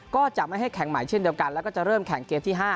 ก็จะไม่ให้แข่งใหม่เช่นเดียวกันแล้วก็จะเริ่มแข่งเกมที่๕